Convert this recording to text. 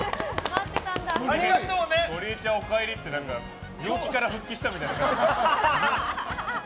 ゴリエちゃんおかえりって病気から復帰したみたいな。